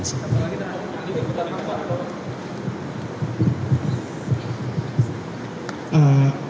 kita akan lagi mengikuti pertanyaan pak